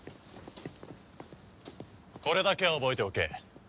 これだけは覚えておけ。